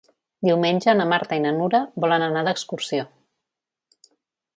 Diumenge na Marta i na Nura volen anar d'excursió.